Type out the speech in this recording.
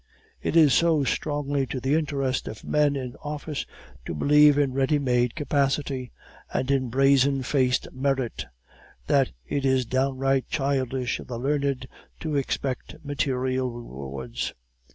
It is so strongly to the interest of men in office to believe in ready made capacity, and in brazen faced merit, that it is downright childish of the learned to expect material rewards.